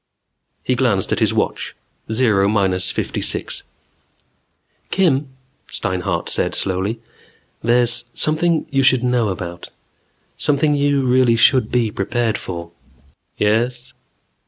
He glanced at his watch. Zero minus fifty six minutes. "Kim," Steinhart said slowly. "There's something you should know about. Something you really should be prepared for." "Yes?"